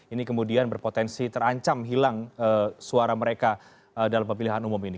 ini kemudian berpotensi terancam hilang suara mereka dalam pemilihan umum ini